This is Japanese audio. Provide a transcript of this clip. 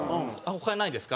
「他にないですか？」